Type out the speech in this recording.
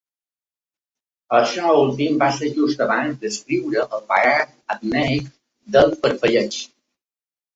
Això últim va ser just abans d'escriure el paràgraf apneic del parpelleig.